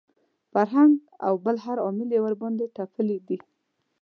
فرهنګ او بل هر عامل یې ورباندې تپلي دي.